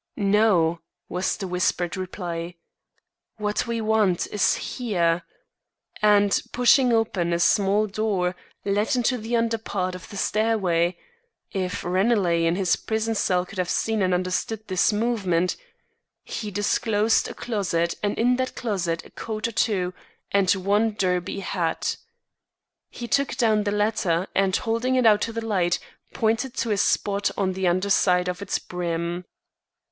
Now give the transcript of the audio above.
"No," was the whispered reply. "What we want is here." And, pushing open a small door let into the under part of the stairway (if Ranelagh in his prison cell could have seen and understood this movement!), he disclosed a closet and in that closet a coat or two, and one derby hat. He took down the latter and, holding it out to the light, pointed to a spot on the under side of its brim.